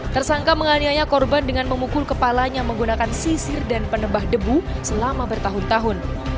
tersangka menganiaya korban dengan memukul kepalanya menggunakan sisir dan penembah debu selama bertahun tahun